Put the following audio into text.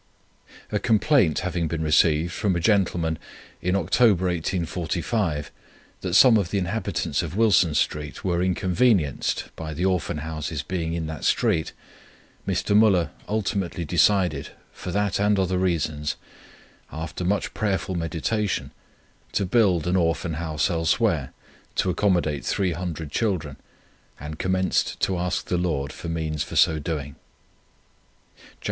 A complaint having been received from a gentleman in October, 1845, that some of the inhabitants of Wilson Street were inconvenienced by the Orphan Houses being in that street, Mr. Müller ultimately decided for that and other reasons, after much prayerful meditation, to build an Orphan House elsewhere to accommodate 300 children, and commenced to ask the Lord for means for so doing: "Jan.